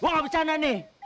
mun gua ga bercanda nih